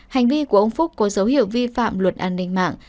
hành vi của ông phúc có dấu hiệu vi phạm luật an ninh mạng